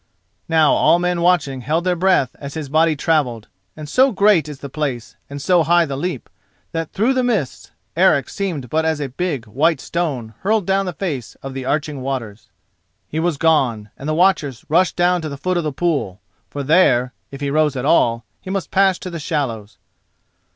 Now all men watching held their breath as his body travelled, and so great is the place and so high the leap that through the mist Eric seemed but as a big white stone hurled down the face of the arching waters. He was gone, and the watchers rushed down to the foot of the pool, for there, if he rose at all, he must pass to the shallows.